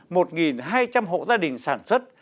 một hai trăm linh hộ gia đình sản xuất